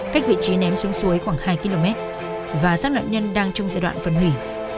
cách vị trí ném xuống suối khoảng hai km và sát nạn nhân đang trong giai đoạn phân hủy